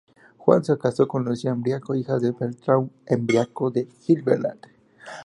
Juan se casó con Lucía Embriaco, hija de Bertrand Embriaco de Gibelet.